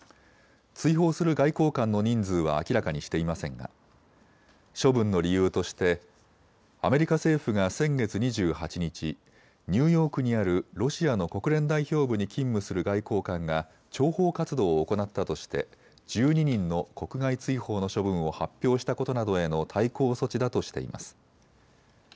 追放する外交官の人数は明らかにしていませんが処分の理由としてアメリカ政府が先月２８日、ニューヨークにあるロシアの国連代表部に勤務する外交官が諜報活動を行ったとして１２人の国外追放の処分を発表したことなどへの対抗措置だとしています。